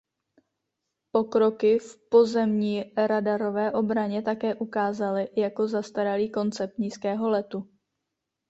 Pokroky v pozemní radarové obraně také ukázaly jako zastaralý koncept nízkého letu.